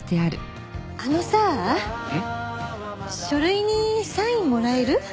書類にサインもらえる？